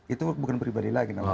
itu bukan pribadi lagi